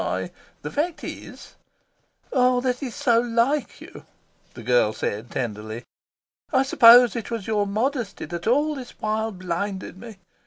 I the fact is " "Ah, that is so like you!" the girl said tenderly. "I suppose it was your modesty that all this while blinded me.